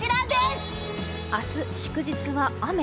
明日、祝日は雨。